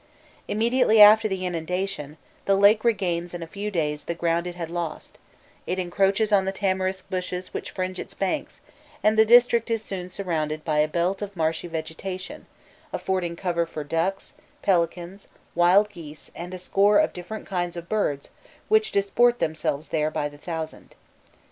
Immediately after the inundation, the lake regains in a few days the ground it had lost: it encroaches on the tamarisk bushes which fringe its banks, and the district is soon surrounded by a belt of marshy vegetation, affording cover for ducks, pelicans, wild geese, and a score of different kinds of birds which disport themselves there by the thousand.